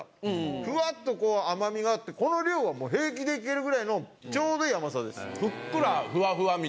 ふわっとこう甘みがあってこの量はもう平気でいけるぐらいのちょうどいい甘さです。